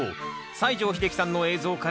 西城秀樹さんの映像からニンジン